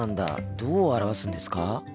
どう表すんですか？